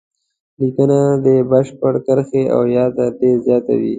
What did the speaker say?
لیکنه دې شپږ کرښې او یا تر دې زیاته وي.